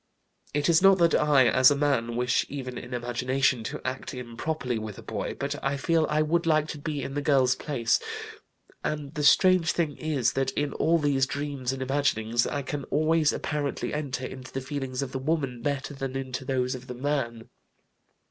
It is not that I, as a man, wish even in imagination to act improperly with a boy, but I feel I would like to be in the girl's place, and the strange thing is that in all these dreams and imaginings I can always apparently enter into the feelings of the woman better than into those of the man.